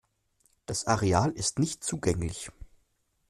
Das Areal ist nicht zugänglich.